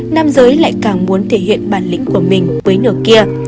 nam giới lại càng muốn thể hiện bản lĩnh của mình với nước kia